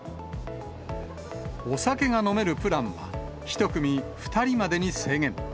お酒が飲めるプランは、１組２人までに制限。